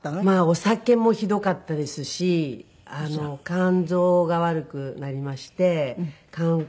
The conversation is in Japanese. お酒もひどかったですし肝臓が悪くなりまして肝硬変になって。